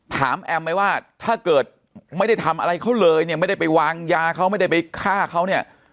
แอมไหมว่าถ้าเกิดไม่ได้ทำอะไรเขาเลยเนี่ยไม่ได้ไปวางยาเขาไม่ได้ไปฆ่าเขาเนี่ย